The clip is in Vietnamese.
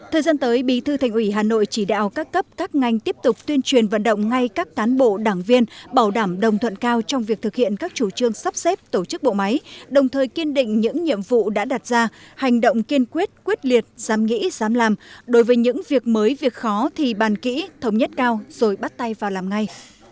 thời gian tới bí thư thành ủy hà nội chỉ đạo các cấp các ngành tiếp tục tuyên truyền vận động ngay các cán bộ đảng viên bảo đảm đồng thuận cao trong việc thực hiện các chủ trương sắp xếp tổ chức bộ máy đồng thời kiên định những nhiệm vụ đã đặt ra hành động kiên quyết quyết liệt dám nghĩ dám làm đối với những việc mới việc khó thì bàn kỹ thống nhất cao rồi bắt tay vào làm ngay